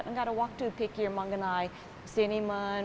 tidak ada waktu pikir mengenai siniman